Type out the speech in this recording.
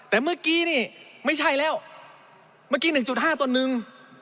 แต่เมื่อกี้นี่ไม่ใช่แล้วเมื่อกี้๑๕ตนหนึ่ง